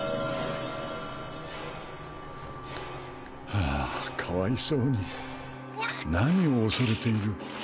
ああかわいそうに何を恐れている？